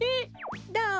どう？